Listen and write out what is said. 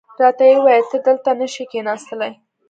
راته یې وویل ته دلته نه شې کېناستلای.